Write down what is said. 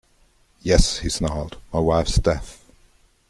"Yes," he snarled, "my wife's deaf."